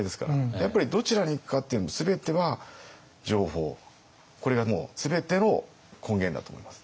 やっぱりどちらに行くかっていうのも全ては情報これが全ての根源だと思います。